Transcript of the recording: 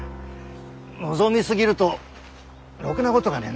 望み過ぎるとろくなことがねえんだよ。